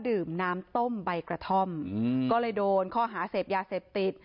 ดื่มน้ำต้มใบกระท่อมก็เลยโดนข้อหาเสพยาเสพติด